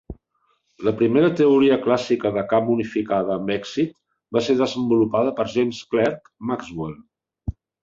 La primera teoria clàssica de camp unificada amb èxit va ser desenvolupada per James Clerk Maxwell.